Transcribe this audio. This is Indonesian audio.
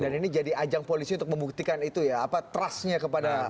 dan ini jadi ajang polisi untuk membuktikan itu ya apa trustnya kepada publik